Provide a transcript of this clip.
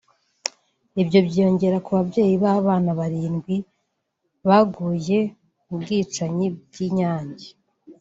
Ibyo byiyongera ku babyeyi b’abana barindwi baguye mu bwicanyi bw’i Nyange